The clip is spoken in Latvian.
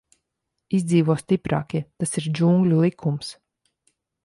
Izdzīvo stiprākie, tas ir džungļu likums.